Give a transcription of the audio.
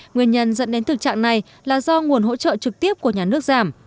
nguyên nhân dẫn đến thực trạng này là do nguồn hỗ trợ trực tiếp của nhà nước giảm